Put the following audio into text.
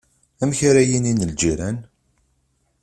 Amek ara inin lǧiran?